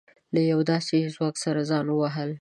له يوه داسې ځواک سره ځان وهل.